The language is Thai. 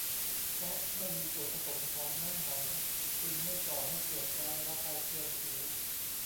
เพราะไม่มีส่วนผสมของน้ำหอม จึงไม่ก่อให้เกิดการระคายเคืองผิว